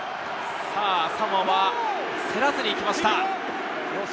サモアは競らずに行きました。